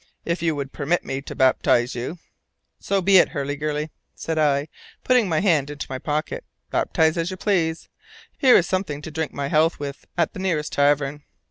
If you would permit me to baptize you " "So be it, Hurliguerly," said I, putting my hand into my pocket. "Baptize as you please. Here is something to drink my health with at the nearest tavern."